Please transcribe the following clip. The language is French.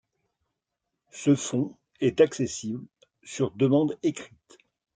Ce fonds est accessible sur demande écrite.